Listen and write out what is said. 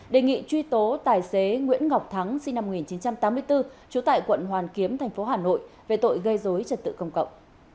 đề nghị truy tố tài xế nguyễn ngọc thắng sinh năm một nghìn chín trăm tám mươi bốn trú tại quận hoàn kiếm thành phố hà nội về tội gây dối trật tự công cộng